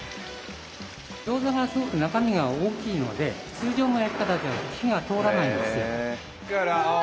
餃子がすごく中身が大きいので通常の焼き方だとやっぱ火が通らないんですよ。